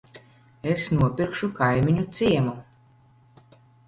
Es nopirkšu kaimiņu ciemu.